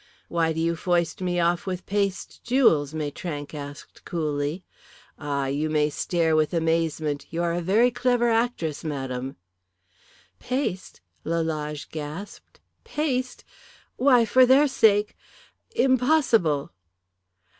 "Why do you foist me off with paste jewels?" Maitrank asked, coolly. "Ah you may stare with amazement! You are a very clever actress, madam." "Paste?" Lalage gasped. "Paste! Why for their sake impossible!"